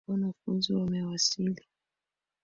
Wanafunzi wamewasili.